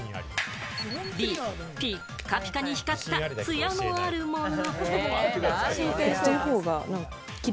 Ｂ・ピッカピカに光った、ツヤのあるもの。